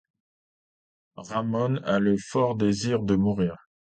Ramón a le fort désir de mourir.